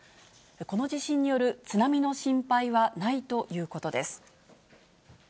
この地震による津波の心配はないということです。